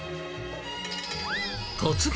突撃！